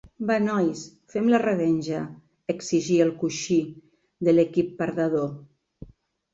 Va nois, fem la revenja! —exigí el coixí de l'equip perdedor.